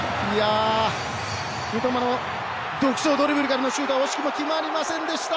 三笘の独走ドリブルからのシュートは惜しくも決まりませんでした。